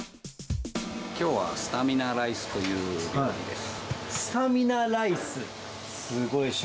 きょうはスタミナライスという料理です。